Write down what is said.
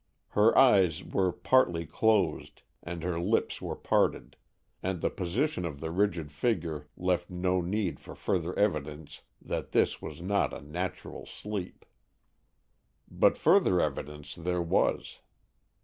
Her eyes were partly closed, and her lips were parted, and the position of the rigid figure left no need for further evidence that this was not a natural sleep. But further evidence there was.